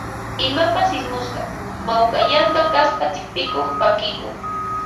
Imapas ismusqa, mawkayasqa kaspa tipikuq, pakikuq